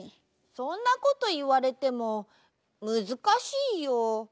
そんなこといわれてもむずかしいよ。